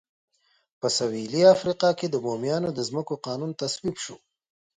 په سوېلي افریقا کې د بومیانو د ځمکو قانون تصویب شو.